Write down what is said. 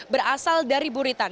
berasal dari buritan